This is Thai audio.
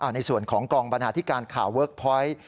ในส่วนของกองบรรณาธิการข่าวเวิร์คพอยต์